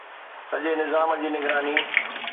سڄي نظام جي نگراني